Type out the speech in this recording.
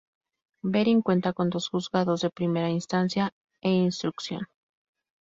Verín cuenta con dos Juzgados de Primera Instancia e Instrucción.